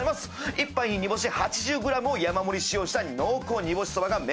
１杯に煮干し８０ｇを山盛り使用した濃厚煮干しそばが名物。